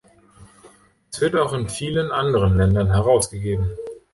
Es wird auch in vielen anderen Ländern herausgegeben.